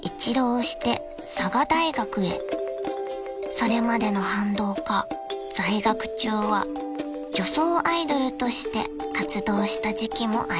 ［それまでの反動か在学中は女装アイドルとして活動した時期もあります］